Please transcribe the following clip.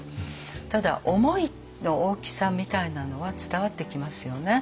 ただ思いの大きさみたいなのは伝わってきますよね。